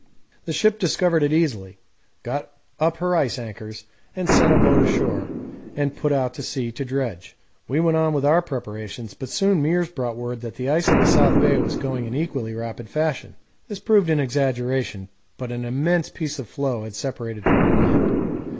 The ship discovered it easily, got up her ice anchors, sent a boat ashore, and put out to sea to dredge. We went on with our preparations, but soon Meares brought word that the ice in the south bay was going in an equally rapid fashion. This proved an exaggeration, but an immense piece of floe had separated from the land.